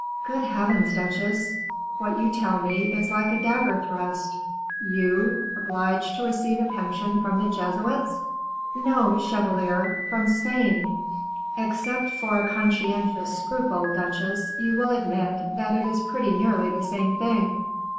"Good heavens! duchesse, what you tell me is like a dagger thrust. You obliged to receive a pension from the Jesuits?" "No, chevalier! from Spain." "Except for a conscientious scruple, duchesse, you will admit that it is pretty nearly the same thing."